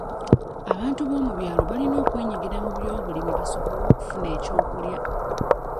Abantu b'omu byalo balina okwenyigira mu byobulimi basobole okufuna ekyokulya.